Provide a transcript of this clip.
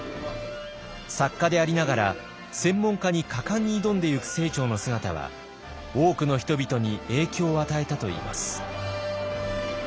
作家でありながら専門家に果敢に挑んでゆく清張の姿は多くの人々に影響を与えたといいます。